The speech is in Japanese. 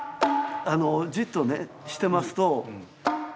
じっとしてますと。